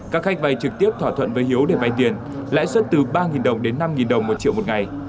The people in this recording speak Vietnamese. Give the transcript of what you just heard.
các khách vay trực tiếp thỏa thuận với hiếu để vay tiền lãi suất từ ba đồng đến năm đồng một triệu một ngày